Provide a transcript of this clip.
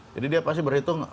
jadi dia pasti berhitung